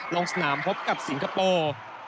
ลงสนามพบกับสิงคโปร์